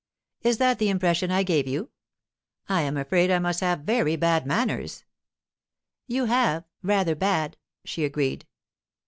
'Is that the impression I gave you? I am afraid I must have very bad manners.' 'You have—rather bad,' she agreed.